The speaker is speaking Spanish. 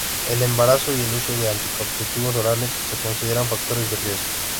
El embarazo y el uso de anticonceptivos orales se consideran factores de riesgo.